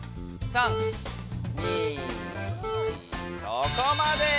そこまで！